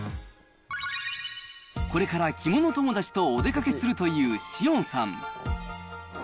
これから着物友達とお出かけするという紫苑さん。